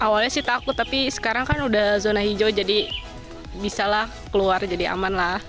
awalnya sih takut tapi sekarang kan udah zona hijau jadi bisa lah keluar jadi aman lah